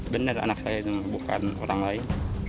benar anak saya itu bukan orang lain